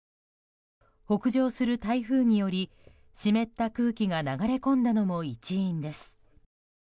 北上する台風により湿った空気が流れ込んだのも一因です。